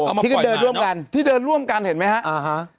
เอามาปล่อยมาเนอะที่เดินร่วมกันเห็นไหมครับ